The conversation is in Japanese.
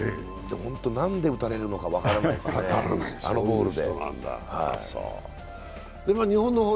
ほんと、なんで打たれるのか分からないですね、あのボールで。